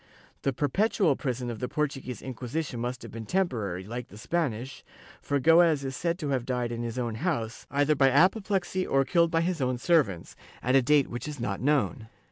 The "perpetual" prison of the Portuguese Inquisition must have been temporary, like the Spanish, for Goes is said to have died in his own house, either by apoplexy or killed by his own servants, at a date which is not Chap. I] INQ UISITION OF PORTUGAL 265 known.